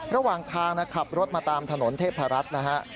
ระหว่างทางขับรถมาตามถนนเทพรัฐนะฮะ